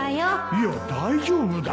いや大丈夫だ